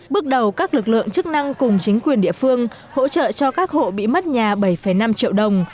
bước đầu các lực lượng chức năng cùng chính quyền địa phương hỗ trợ cho các hộ bị mất nhà bảy năm triệu đồng